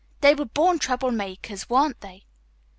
They were born trouble makers, weren't they?"